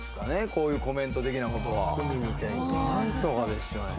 こういうコメント的なことはなるほどね